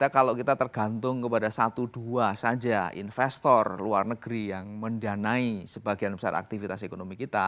kalau kita tergantung kepada satu dua saja investor luar negeri yang mendanai sebagian besar aktivitas ekonomi kita